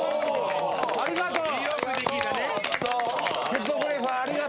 ありがとう。